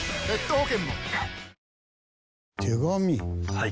はい。